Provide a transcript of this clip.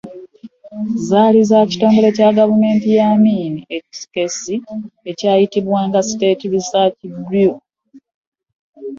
Zaali za kitongole kya Gavumenti ya Amin ekikessi ekyayitibwanga State Research Bureau.